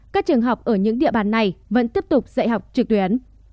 các trường học ở những địa bàn này vẫn tiếp tục dạy học trực tuyến